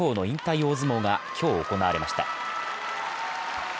大相撲が今日行われました。